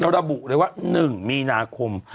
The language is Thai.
เดี๋ยวระบุเลยว่า๑มีนาคม